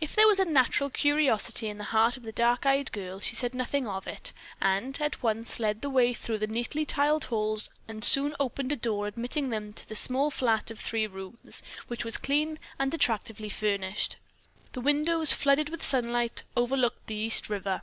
If there was a natural curiosity in the heart of the dark eyed girl, she said nothing of it, and at once led the way through the neatly tiled halls and soon opened a door admitting them to a small flat of three rooms, which was clean and attractively furnished. The windows, flooded with sunlight, overlooked the East River.